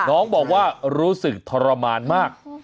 น้องบอกว่ารู้สึกทรมานมาก